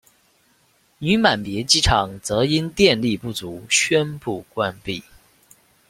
女满别机场则因电力不足宣布关闭。